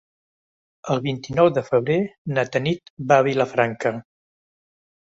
El vint-i-nou de febrer na Tanit va a Vilafranca.